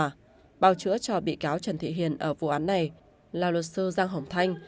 hội đồng xét xử bảo chữa cho bị cáo trần thị hiền ở vụ án này là luật sư giang hồng thanh